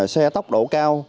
xe tốc độ cao